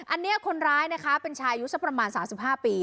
อันเนี้ยคนร้ายนะคะเป็นชายุทธ์สักประมาณสามสิบห้าปี